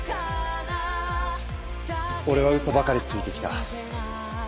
俺は嘘ばかりついて来た。